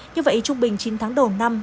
như vậy trung bình chín tháng đầu năm